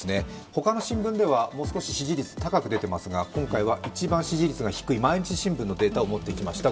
他の新聞ではもう少し支持率高く出ていますが今回は一番支持率が低い毎日新聞のデータを持ってきました。